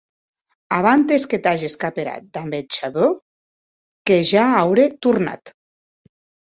Abantes que t'ages caperat damb eth chapèu que ja aurè tornat.